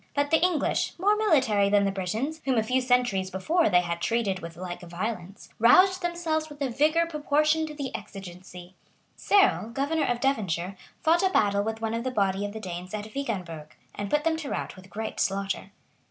But the English, more military than the Britons, whom a few centuries before they had treated with like violence, roused themselves with a vigor proportioned to the exigency. Ceorle, governor of Devonshire, fought a battle with one body of the Danes at Wiganburgh,[*] and put them to rout with great slaughter. [* H. Hunting, lib. v. Ethelwerd, lib.